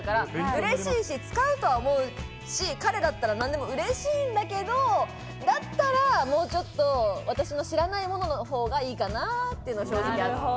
嬉しいし使うとは思うし、彼だったら何でも嬉しいんだけど、だったらもうちょっと私の知らないもののほうがいいかなっていうのが正直あって。